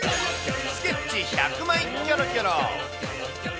スケッチ１００枚キョロキョロ。